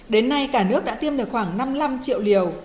đến nay cả nước đã tiêm được khoảng năm mươi năm triệu liều